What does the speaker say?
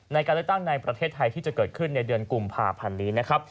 ในการเลือกตั้งในประเทศไทยที่จะเกิดขึ้นในเดือนกุมภาพันธ์นี้นะครับ